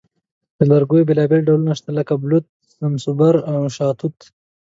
د لرګیو بیلابیل ډولونه شته، لکه بلوط، صنوبر، او شاهتوت.